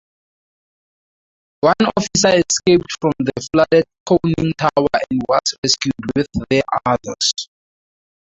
One officer escaped from the flooded conning tower and was rescued with the others.